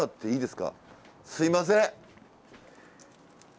すいません。